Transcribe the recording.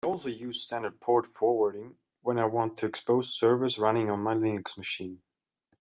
I also use standard port forwarding when I want to expose servers running on my Linux machine.